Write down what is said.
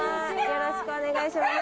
よろしくお願いします。